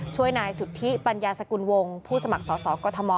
ช่วยนายสุธิปัญญาสกุลวงผู้สมัครสอสอกอทม